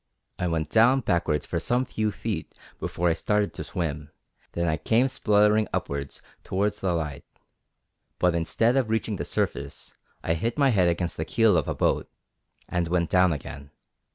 I went down backwards for some few feet before I started to swim, then I came spluttering upwards towards the light; but, instead of reaching the surface, I hit my head against the keel of a boat and went down again.